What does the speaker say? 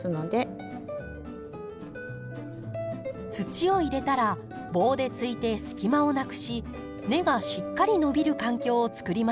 土を入れたら棒でついて隙間をなくし根がしっかり伸びる環境をつくりましょう。